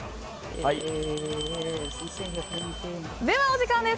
ではお時間です。